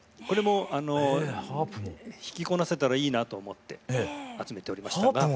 これも弾きこなせたらいいなと思って集めておりましたが。